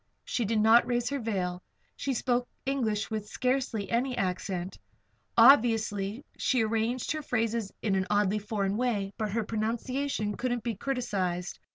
She did not raise her veil. She spoke English with scarcely any accent. Occasionally she arranged her phrases in an oddly foreign way; but her pronunciation could not be criticised.